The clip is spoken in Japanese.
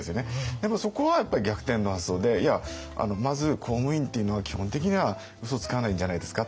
でもそこはやっぱり逆転の発想で「いやまず公務員っていうのは基本的にはうそつかないんじゃないですか？」とか。